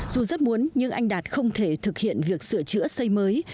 dù rất muốn nhưng anh đạt không thể thực hiện việc sửa chữa xây mới